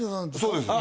そうです。